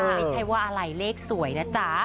ไม่ใช่ว่าอะไรเลขสวยนะจ๊ะ